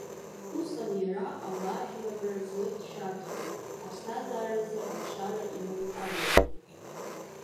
Усҟан иара ауаажәларра рзы дшәарҭахом, аԥсҭазааразы алшара иманы дҟалоит.